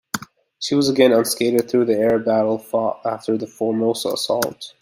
She was again unscathed through the air battle fought after the Formosa assault.